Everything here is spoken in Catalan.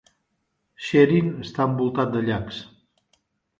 Schwerin està envoltat de llacs.